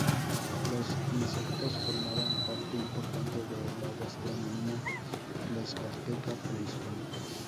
Los insectos formaban parte importante de la gastronomía tlaxcalteca prehispánica.